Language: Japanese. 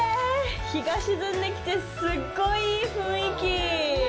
日が沈んできてすっごいいい雰囲気。